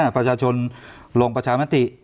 ประชาชนลงประชามติ